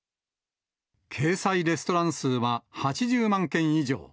掲載レストラン数は８０万件以上。